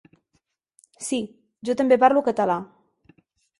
Sí. Jo també parlo català.